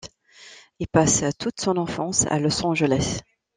Il passe toute son enfance à Los Angeles.